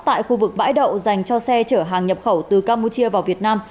tại khu vực bãi đậu dành cho xe chở hàng nhập khẩu từ campuchia vào việt nam